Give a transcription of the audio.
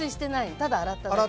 ただ洗っただけ。